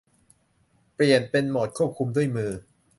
เปลี่ยนเป็นโหมดควบคุมด้วยมือ